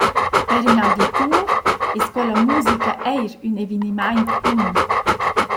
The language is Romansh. Per ün auditur es quella musica eir ün evenimaint unic.